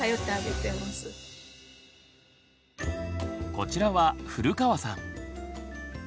こちらは古川さん。